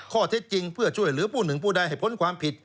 ข้อเท็จจริงเพื่อช่วยเหลือผู้หนึ่งผู้ใดให้พ้นความผิด